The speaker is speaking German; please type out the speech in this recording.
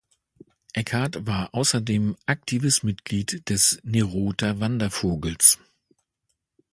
Eckhardt war außerdem aktives Mitglied des Nerother Wandervogels.